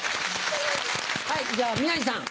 はいじゃ宮治さん。